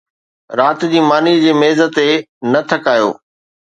رات جي ماني جي ميز تي نه ٿڪايو